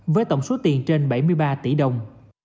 với tổng số tiền trên bảy mươi ba tỷ đồng